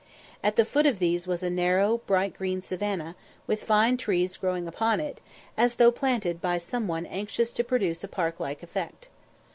At the foot of these was a narrow, bright green savannah, with fine trees growing upon it, as though planted by some one anxious to produce a park like effect.